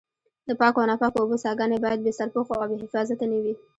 د پاکو او ناپاکو اوبو څاګانې باید بې سرپوښه او بې حفاظته نه وي.